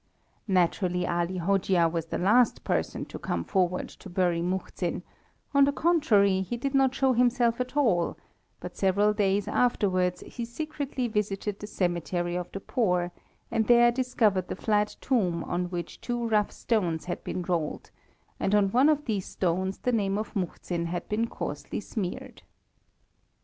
Naturally Ali Hojia was the last person to come forward to bury Muhzin; on the contrary, he did not show himself at all, but several days afterwards he secretly visited the cemetery of the poor, and there discovered the flat tomb on which two rough stones had been rolled, and on one of these stones the name of Muhzin had been coarsely smeared.